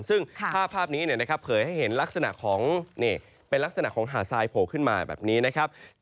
ซึ่งภาพนี้เผยให้เห็นลักษณะของเป็นลักษณะของหาดทรายโผล่ขึ้นมาแบบนี้นะครับ